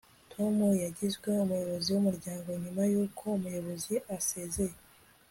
tom yagizwe umuyobozi w'umuryango nyuma yuko umuyobozi asezeye